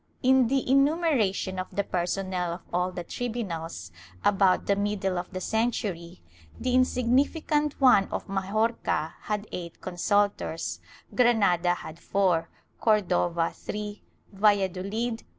^ In the enumeration of the personnel of all the tribunals, about the middle of the century, the insignificant one of Majorca had eight consultors, Granada had four, Cordova three, Valladolid, Cuenca and San ^ Simancse de Cath.